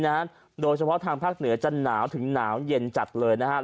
โดยเฉพาะทางภาคเหนือจะหนาวถึงหนาวเย็นจัดเลยนะครับ